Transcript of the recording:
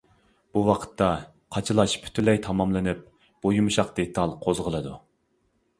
بۇ ۋاقىتتا، قاچىلاش پۈتۈنلەي تاماملىنىپ، بۇ يۇمشاق دېتال قوزغىلىدۇ.